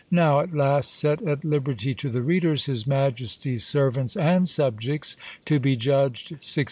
Now at last set at liberty to the readers, his Majesty's servants and subjects, to be judged, 1631."